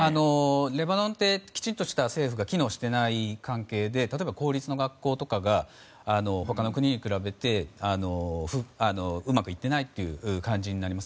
レバノンってきちんとした政府が機能していない関係で例えば公立の学校が他の国に比べてうまくいってないという感じになります。